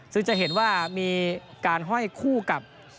ซึ่งจะเห็นว่ามีการห้อยคู่กับ